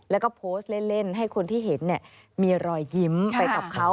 แล้วก็โพสต์เล่นให้คนที่เห็นมีรอยยิ้มไปกับเขา